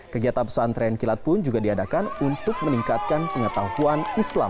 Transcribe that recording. kegiatan pesantren kilat pun juga diadakan untuk meningkatkan pengetahuan islam